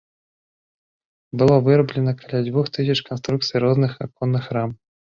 Было выраблена каля дзвюх тысяч канструкцый розных аконных рам.